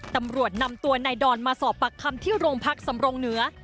ตำรวจนำตัวนายดอนมาสอบปากคำที่โรงพักสำรงเหนือ